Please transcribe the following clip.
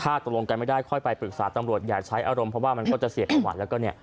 ถ้าตกลงกันไม่ได้ค่อยไปปรึกษาตำรวจอย่าใช้อารมณ์เพราะว่ามันก็จะเสียประวัติแล้วก็เนี่ย